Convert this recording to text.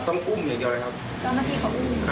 ต้องอุ้มอย่างเดียวเลยครับ